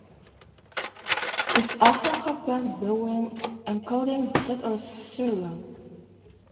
This often happens between encodings that are similar.